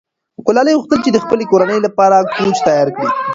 ګلالۍ غوښتل چې د خپلې کورنۍ لپاره کوچ تیار کړي.